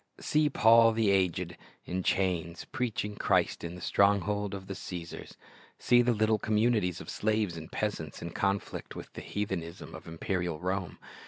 See "Paul the aged," in chains, preaching Christ in the stronghold of the Caesars. See the little communities of slaves and peasants in conflict with the heathenism of imperial Rome.